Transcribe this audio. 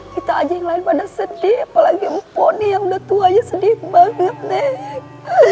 kita aja yang lain pada sedih apalagi mponi yang sudah tua sedih banget neng